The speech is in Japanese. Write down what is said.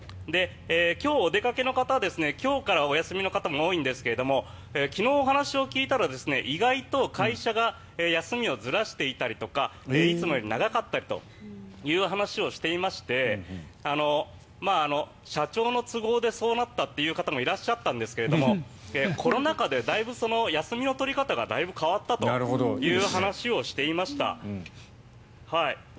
今日お出かけの方は、今日からお休みの方も多いんですが昨日お話を聞いたら、意外と会社が休みをずらしていたりとかいつもより長かったりという話をしていまして社長の都合でそうなったという方もいらっしゃったんですがコロナ禍で、だいぶ休みの取り方が変わったという話をしていました。